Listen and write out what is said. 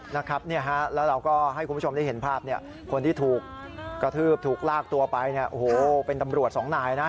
แล้วเราก็ให้คุณผู้ชมได้เห็นภาพคนที่ถูกกระทืบรากตัวไปเป็นตำรวจ๒หน่าย